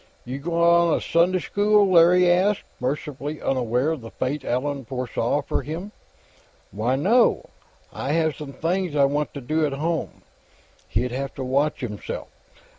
"You gonna Sunday school?" Larry asked, mercifully unaware of the fate Allan foresaw for him. "Why, no. I have some things I want to do at home." He'd have to watch himself.